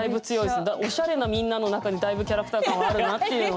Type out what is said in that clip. おしゃれなみんなの中でだいぶキャラクター感はあるなっていうのは。